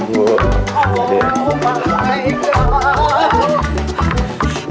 oh mahal kak